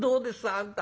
あんた。